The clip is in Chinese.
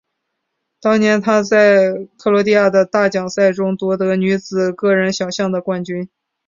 当年她在克罗地亚的大奖赛中夺得女子个人小项的冠军。